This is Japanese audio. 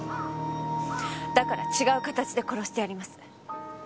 だから違う形で殺してやります。